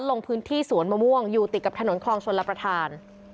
ลงพื้นที่สวนมะม่วงอยู่ติดกับถนนคลองชนรับประทาน